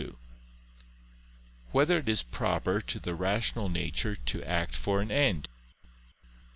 2] Whether It Is Proper to the Rational Nature to Act for an End?